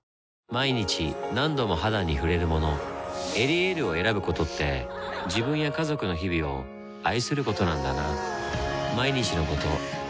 毎日何度も肌に触れるもの「エリエール」を選ぶことって自分や家族の日々を愛することなんだなぁ